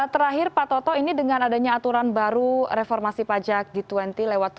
terakhir pak toto ini dengan adanya aturan baru reformasi pajak g dua puluh lewat dua pillar yang kita bahas hari ini